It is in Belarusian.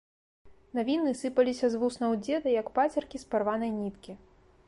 Навіны сыпаліся з вуснаў дзеда, як пацеркі з парванай ніткі.